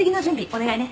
お願いね。